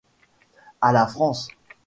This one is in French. A la France !